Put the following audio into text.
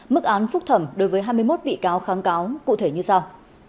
mức án phúc thẩm đối với hai mươi một bị cáo kháng cáo cụ thể như sau